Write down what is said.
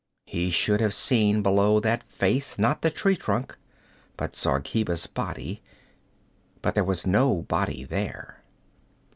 He should have seen below that face, not the tree trunk, but Zargheba's body but there was no body there.